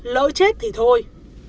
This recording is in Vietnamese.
lỡ chết thì thôi